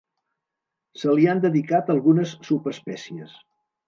Se li han dedicat algunes subespècies.